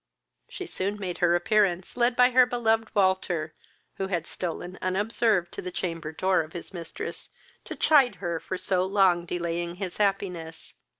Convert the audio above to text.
She soon made her appearance, led by her beloved Walter, who had stolen unobserved to the chamber door of his mistress, to chide her for so long delaying his happiness.